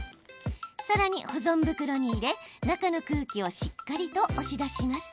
さらに保存袋に入れ、中の空気をしっかりと押し出します。